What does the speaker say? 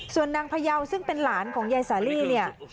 ส่วนนางพยาวซึ่งเป็นหลานของยายสาลีเนี่ย